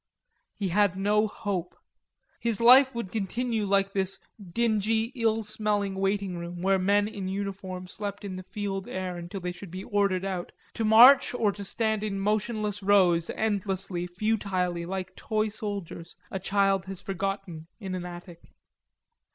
He had no hope. His life would continue like this dingy, ill smelling waiting room where men in uniform slept in the fetid air until they should be ordered out to march or to stand in motionless rows, endlessly, futilely, like toy soldiers a child has forgotten in an attic.